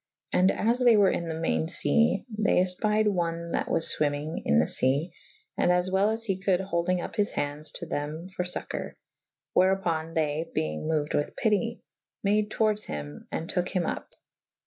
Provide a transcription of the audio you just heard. And as they were in the mayne fee / they efpied one that was fwymmynge in the fee / and as well as he coulde holdyng vp his handes to them for focour / wherupo« they (beyng moued withjpytie) made towarde hym /& toke hym vp.